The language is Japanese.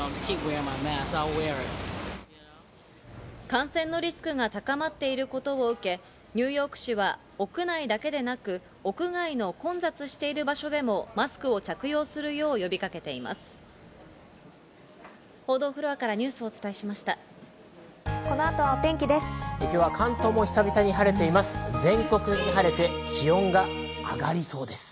感染のリスクが高まっていることを受け、ニューヨーク市は屋内だけでなく屋外の混雑している場所でもマスクを着用するよう呼びかけています。